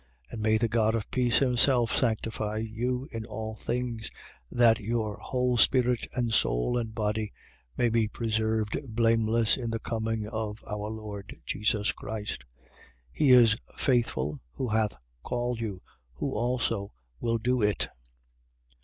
5:23. And may the God of peace himself sanctify you in all things: that your whole spirit and soul and body may be preserved blameless in the coming of our Lord Jesus Christ. 5:24. He is faithful who hath called you, who also will do it.